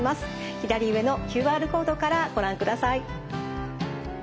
左上のＱＲコードからご覧ください。